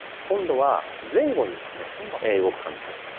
今度は前後にですね動く感じです。